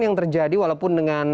yang terjadi walaupun dengan